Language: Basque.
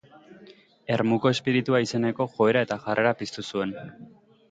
Ermuko espiritua izeneko joera eta jarrera piztu zuen.